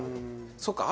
そうか。